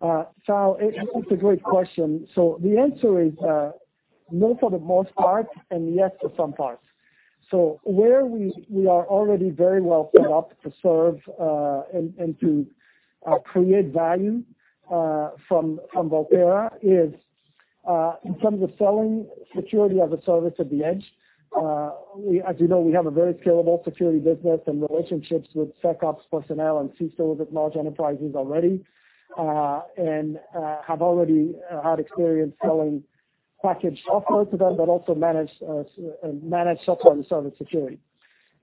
Tal, it's a great question. So the answer is no for the most part and yes for some parts. So where we are already very well set up to serve and to create value from Volterra is in terms of selling security as a service at the Edge. As you know, we have a very scalable security business and relationships with SecOps personnel and CSOs at large enterprises already and have already had experience selling packaged software to them, but also managed software and service security.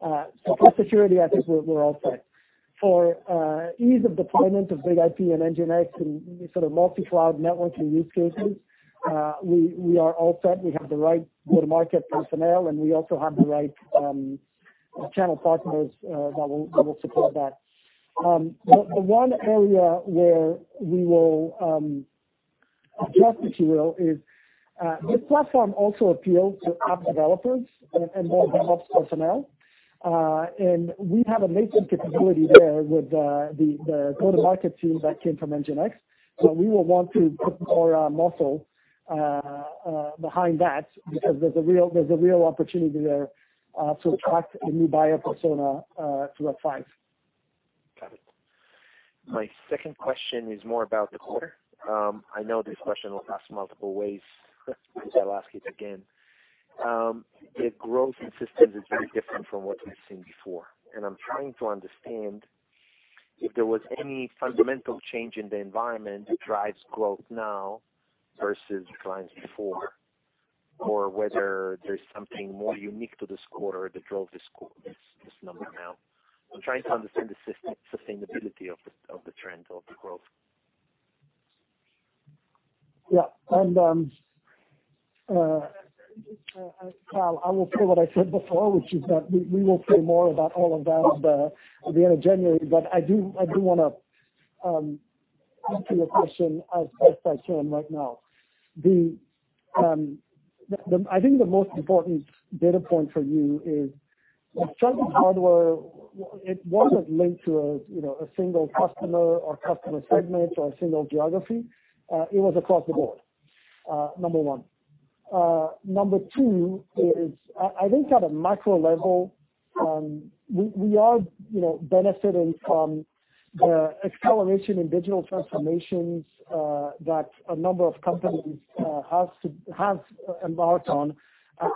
So for security, I think we're all set. For ease of deployment of BIG-IP and NGINX in sort of multi-cloud networking use cases, we are all set. We have the right go-to-market personnel, and we also have the right channel partners that will support that. The one area where we will adjust, if you will, is this platform also appeals to app developers and then DevOps personnel. And we have a latent capability there with the go-to-market team that came from NGINX. So we will want to put more muscle behind that because there's a real opportunity there to attract a new buyer persona to F5. Got it. My second question is more about the quarter. I know this question will pass multiple ways. I'll ask it again. The growth in systems is very different from what we've seen before. And I'm trying to understand if there was any fundamental change in the environment that drives growth now versus times before or whether there's something more unique to this quarter that drove this number now. I'm trying to understand the sustainability of the trend of the growth. Yeah. And Tal, I will say what I said before, which is that we will say more about all of that at the end of January. But I do want to answer your question as best I can right now. I think the most important data point for you is the chunk of hardware. It wasn't linked to a single customer or customer segment or a single geography. It was across the board, number one. Number two is, I think, at a macro level, we are benefiting from the acceleration in digital transformations that a number of companies have embarked on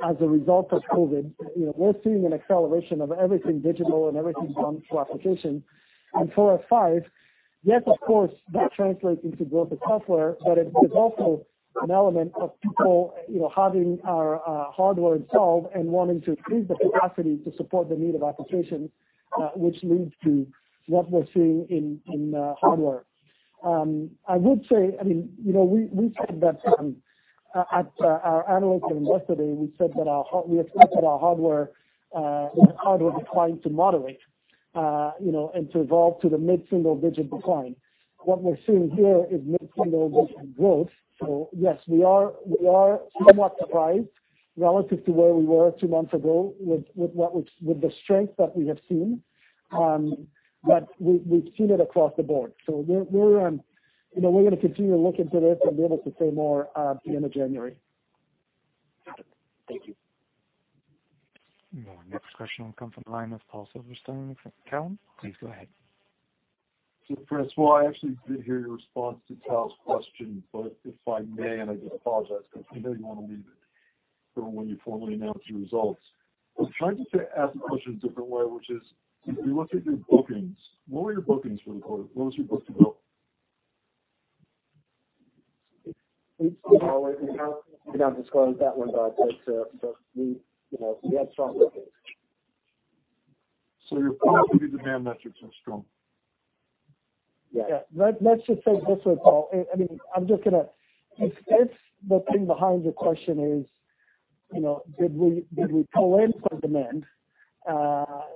as a result of COVID. We're seeing an acceleration of everything digital and everything done through applications, and for F5, yes, of course, that translates into growth of software, but it's also an element of people having our hardware installed and wanting to increase the capacity to support the need of applications, which leads to what we're seeing in hardware. I would say, I mean, we said that at our Analyst and Investor Day, we said that we expect that our hardware is inclined to moderate and to evolve to the mid-single-digit decline. What we're seeing here is mid-single-digit growth. So yes, we are somewhat surprised relative to where we were two months ago with the strength that we have seen, but we've seen it across the board. So we're going to continue to look into this and be able to say more at the end of January. Your next question will come from the line of Paul Silverstein of Cowen. Please go ahead. So François, I actually did hear your response to Tal's question, but if I may, and I just apologize because I know you want to leave it for when you formally announce your results. I'm trying to ask the question a different way, which is, if we look at your bookings, what were your bookings for the quarter? What was your book-to-bill? We don't disclose that one, but we had strong bookings. So your prospect demand metrics are strong? Yeah. Let's just say it this way, Paul. I mean, I'm just going to if the thing behind your question is, did we pull in some demand?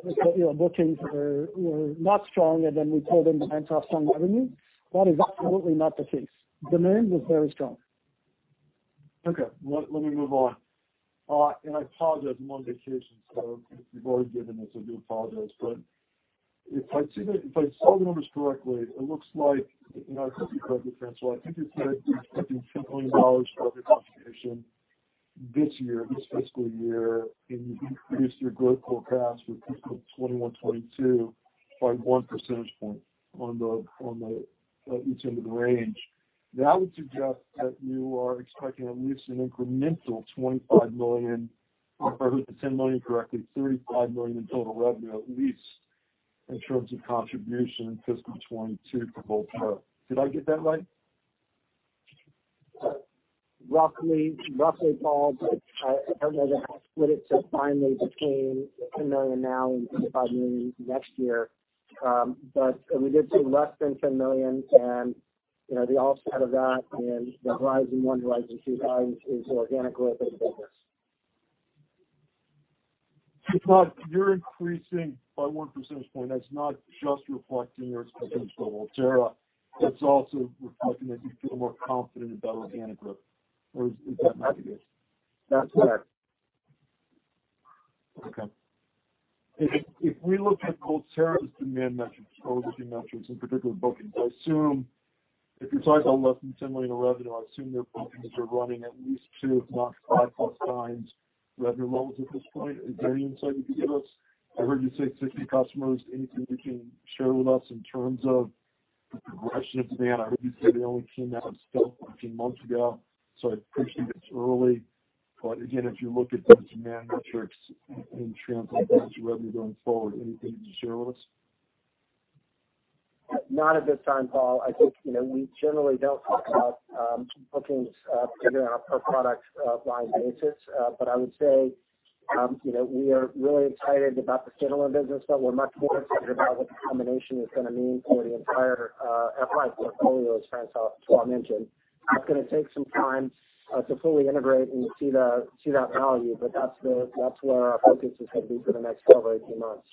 We're looking for not strong, and then we pulled in demand for strong revenue. That is absolutely not the case. Demand was very strong. Okay. Let me move on and I apologize on one of the occasions. So if you've already given this, I do apologize, but if I saw the numbers correctly, it looks like I think you correct me, François. I think you said you're expecting $10 million worth of contribution this year, this fiscal year, and you increased your growth forecast for Q2 2021-2022 by 1 percentage point on each end of the range. That would suggest that you are expecting at least an incremental $25 million or $10 million correctly, $35 million in total revenue at least in terms of contribution in fiscal 2022 for Volterra. Did I get that right? Roughly, Paul. I don't know that I can split it so finely between $10 million now and $25 million next year. But we did see less than $10 million, and the offset of that in the Horizon 1, Horizon 2 times is organic growth of the business. So you're increasing by 1 percentage point. That's not just reflecting your expectations for Volterra. It's also reflecting that you feel more confident about organic growth. Or is that not the case? That's correct. Okay. If we look at Volterra's demand metrics or looking at metrics, in particular bookings, I assume if you're talking about less than $10 million in revenue, I assume your bookings are running at least two, if not five plus times revenue levels at this point. Is there any insight you can give us? I heard you say 60 customers. Anything you can share with us in terms of the progression of demand? I heard you say they only came out of stealth a few months ago, so I appreciate it's early. But again, if you look at the demand metrics in terms of revenue going forward, anything you can share with us? Not at this time, Paul. I think we generally don't talk about bookings on a per-product line basis. But I would say we are really excited about the standalone business, but we're much more excited about what the combination is going to mean for the entire F5 portfolio, as François mentioned. That's going to take some time to fully integrate and see that value, but that's where our focus is going to be for the next 12 or 18 months.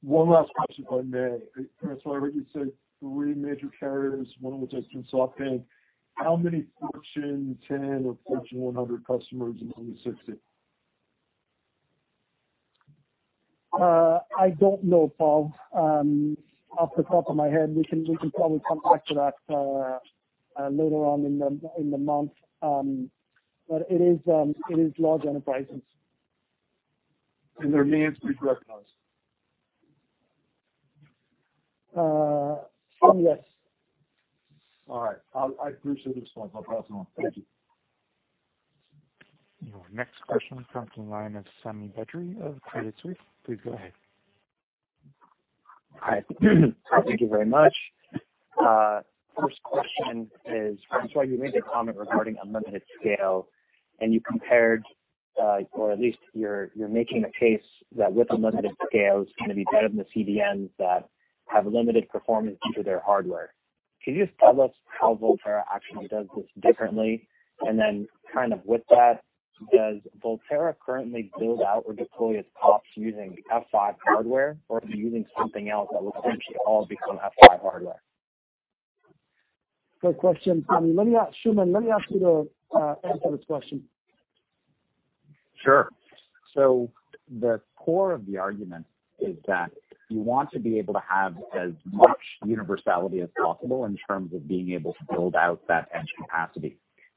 One last question before I may. François, I heard you say three major carriers, one of which is such as SoftBank. How many Fortune 10 or Fortune 100 customers among the 60? I don't know, Paul. Off the top of my head, we can probably come back to that later on in the month, but it is large enterprises. And their names please recognize. Some, yes. All right. I appreciate the response. I'll pass it on. Thank you. Your next question will come from the line of Sami Badri of Credit Suisse. Please go ahead. Hi. Thank you very much. First question is, François, you made the comment regarding unlimited scale, and you compared, or at least you're making a case that with unlimited scale, it's going to be better than the CDNs that have limited performance due to their hardware. Can you just tell us how Volterra actually does this differently? And then kind of with that, does Volterra currently build out or deploy its PoPs using F5 hardware, or are you using something else that will essentially all become F5 hardware? Great question. Let me ask Shuman. Let me ask you to answer this question. Sure. So the core of the argument is that you want to be able to have as much universality as possible in terms of being able to build out that Edge capacity.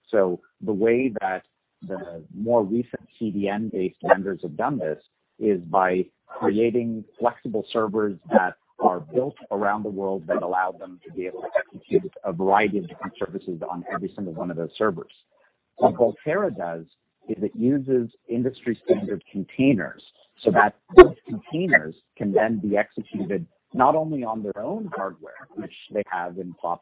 So the way that the more recent CDN-based vendors have done this is by creating flexible servers that are built around the world that allow them to be able to execute a variety of different services on every single one of those servers. What Volterra does is it uses industry-standard containers so that those containers can then be executed not only on their own hardware, which they have in PoPs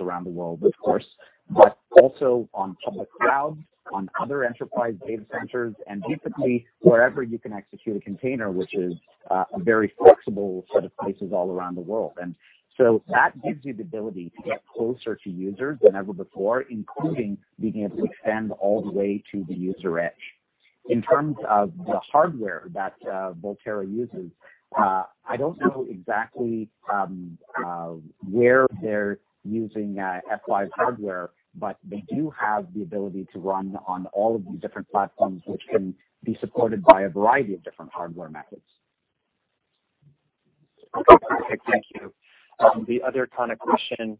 around the world, of course, but also on public clouds, on other enterprise data centers, and basically wherever you can execute a container, which is a very flexible set of places all around the world. And so that gives you the ability to get closer to users than ever before, including being able to extend all the way to the user Edge. In terms of the hardware that Volterra uses, I don't know exactly where they're using F5 hardware, but they do have the ability to run on all of these different platforms, which can be supported by a variety of different hardware methods. Okay. Perfect. Thank you. The other kind of question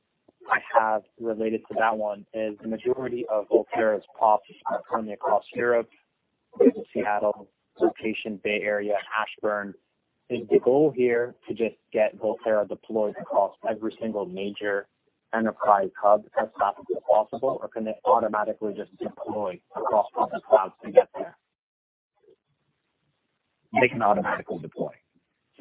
I have related to that one is the majority of Volterra's PoPs are currently across Europe, Seattle location, Bay Area, Ashburn. Is the goal here to just get Volterra deployed across every single major enterprise hub as fast as possible, or can they automatically just deploy across public clouds to get there? They can automatically deploy.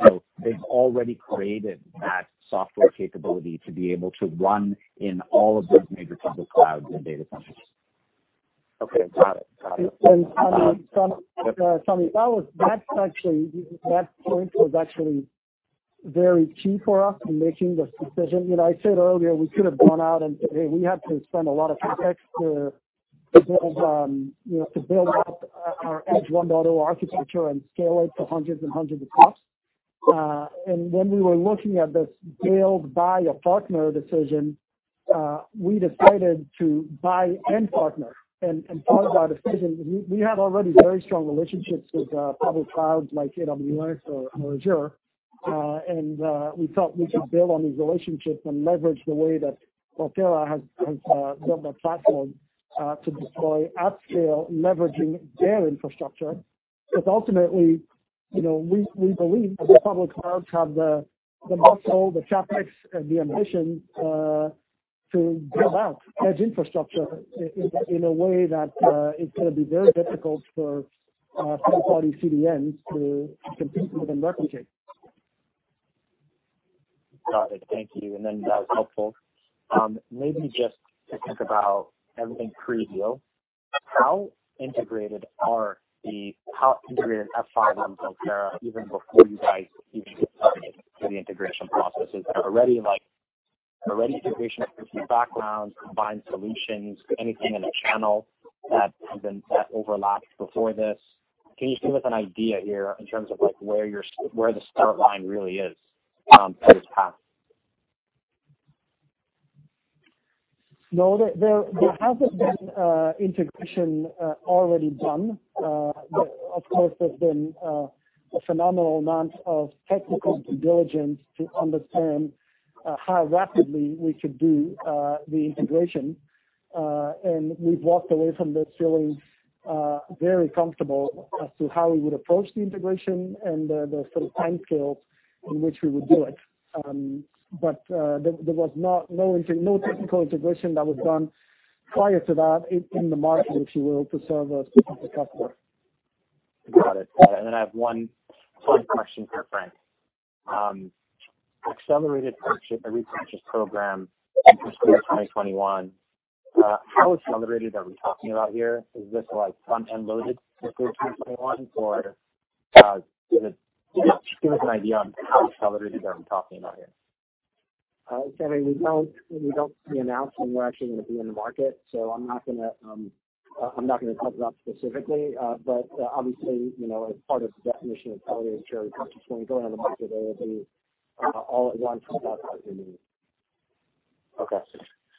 So they've already created that software capability to be able to run in all of those major public clouds and data centers. Okay. Got it. Got it. And Sami, that's actually that point was actually very key for us in making this decision. I said earlier we could have gone out and we had to spend a lot of CapEx to build up our Edge 1.0 architecture and scale it to hundreds and hundreds of PoPs. And when we were looking at this build, buy, or partner decision, we decided to buy and partner. And part of our decision, we had already very strong relationships with public clouds like AWS or Azure, and we felt we could build on these relationships and leverage the way that Volterra has built a platform to deploy at scale, leveraging their infrastructure. But ultimately, we believe the public clouds have the muscle, the tactics, and the ambition to build out Edge infrastructure in a way that it's going to be very difficult for third-party CDNs to compete with and replicate. Got it. Thank you. And then that was helpful. Maybe just to think about everything previous, how integrated are F5 and Volterra even before you guys even get started with the integration processes? Are there already integration backgrounds, combined solutions, anything in a channel that overlapped before this? Can you just give us an idea here in terms of where the start line really is for this path? No, there hasn't been integration already done. Of course, there's been a phenomenal amount of technical due diligence to understand how rapidly we could do the integration. We've walked away from this feeling very comfortable as to how we would approach the integration and the sort of timescales in which we would do it. There was no technical integration that was done prior to that in the market, if you will, to serve a specific customer. Got it. Then I have one question for Frank, accelerated share repurchase program in fiscal 2021, how accelerated are we talking about here? Is this front-end loaded fiscal 2021, or is it just give us an idea on how accelerated are we talking about here? Sami, we're not announcing we're actually going to be in the market, so I'm not going to talk about it specifically. Obviously, as part of the definition of accelerated share repurchase, when we go out on the market, it will be all at once across the fiscal year. Okay.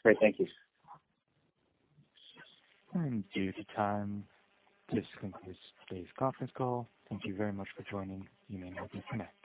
Great. Thank you. Due to time, this concludes today's conference call. Thank you very much for joining. You may now disconnect.